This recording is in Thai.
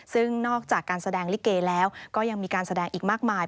ซึ่งนอกจากการแสดงลิเกแล้วก็ยังมีการแสดงอีกมากมาย